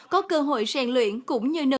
có cơ hội rèn luyện cũng như nâng cấp